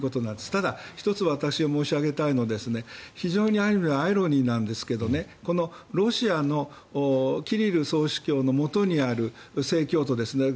ただ、１つ私が申し上げたいのは非常にアイロニーなんですがこのロシアのキリル総主教のもとにある正教徒ですね。